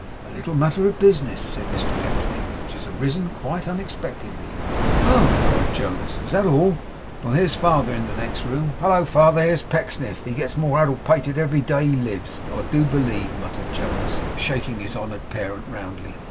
'A little matter of business,' said Mr Pecksniff, 'which has arisen quite unexpectedly.' 'Oh!' cried Jonas, 'is that all? Well. Here's father in the next room. Hallo father, here's Pecksniff! He gets more addle pated every day he lives, I do believe,' muttered Jonas, shaking his honoured parent roundly.